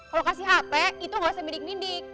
kalo kasih hp itu gak usah mendik mendik